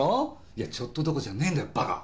いや「ちょっと」どころじゃねぇんだよバカ！